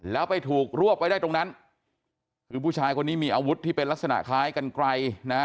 แล้วไปถูกรวบไว้ได้ตรงนั้นคือผู้ชายคนนี้มีอาวุธที่เป็นลักษณะคล้ายกันไกลนะ